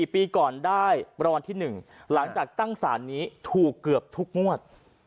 ๔ปีก่อนได้รางวัลที่๑หลังจากตั้งสารนี้ถูกเกือบทุกงวด